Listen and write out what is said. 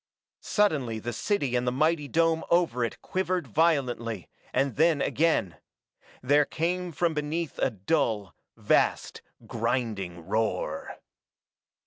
Suddenly the city and the mighty dome over it quivered violently, and then again. There came from beneath a dull, vast, grinding roar.